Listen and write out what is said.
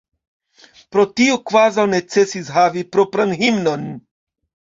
Pro tio kvazaŭ necesis havi propran himnon.